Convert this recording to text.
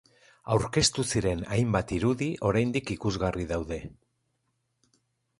Aurkeztu ziren hainbat irudi oraindik ikusgarri daude.